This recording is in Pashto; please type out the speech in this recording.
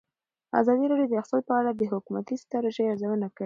ازادي راډیو د اقتصاد په اړه د حکومتي ستراتیژۍ ارزونه کړې.